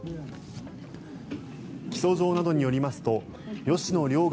起訴状などによりますと吉野凌雅